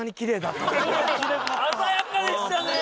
鮮やかでしたね！